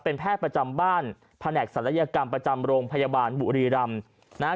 เป็นแพทย์ประจำบ้านแผนกศัลยกรรมประจำโรงพยาบาลบุรีรำนะฮะ